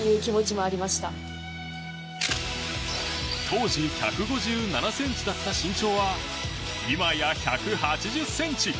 当時、１５７ｃｍだった身長は今や１８０ｃｍ。